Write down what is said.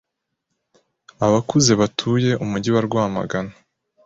Abakuze batuye Umujyi wa Rwamagana